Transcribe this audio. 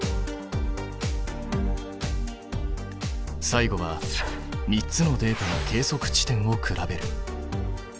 最後は３つのデータの計測地点を比べる。